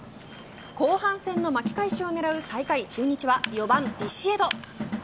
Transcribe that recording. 後半戦の巻き返しを狙う最下位中日は４番ビシエド。